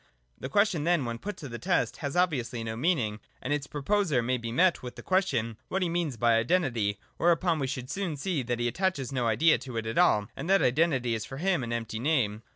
The question then when put to the test has obviously no meaning, and its proposer may be met with the question what he means by Identity ; whereupon we should soon see that he attaches no idea to it at all, and that Identity is for him an empty name.